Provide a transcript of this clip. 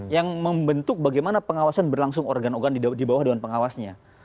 yang membentuk bagaimana pengawasan berlangsung organ organ di bawah dewan pengawasnya